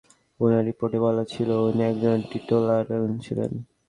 উনার রিপোর্টে বলা ছিল উনি একজন টিটোটালার ছিলেন।